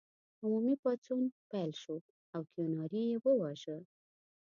عمومي پاڅون پیل شو او کیوناري یې وواژه.